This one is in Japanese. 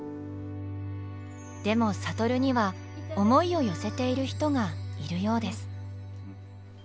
でも智には思いを寄せている人がいるようです。